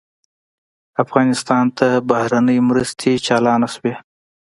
افغانستان ته بهرنۍ مرستې چالانې شوې.